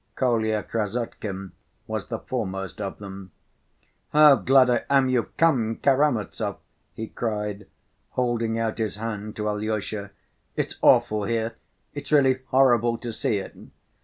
Kolya Krassotkin was the foremost of them. "How glad I am you've come, Karamazov!" he cried, holding out his hand to Alyosha. "It's awful here. It's really horrible to see it.